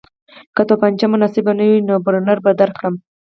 که توپانچه مناسبه نه وي نو برنر به درکړم